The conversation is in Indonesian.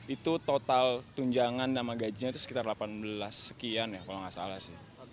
itu total tunjangan nama gajinya itu sekitar delapan belas sekian ya kalau nggak salah sih